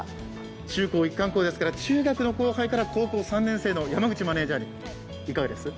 中高一貫校ですから中学３年生から高校３年生の山口マネージャーにいかがですか？